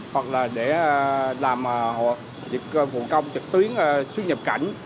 hoặc là để làm dịch vụ công trực tuyến xuất nhập cảnh